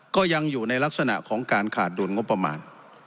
ก็ยังอยู่ในลักษณะของการขาดดุลงบประมาณ